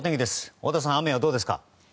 太田さん、雨はどうですか？